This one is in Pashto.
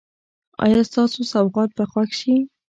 ایا ستاسو سوغات به خوښ شي؟